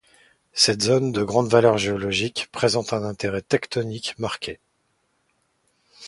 Cette zone de grande valeur géologique présente un intérêt tectonique marqué.